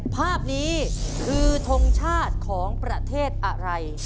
ภาพนี้คือทงชาติของประเทศอะไร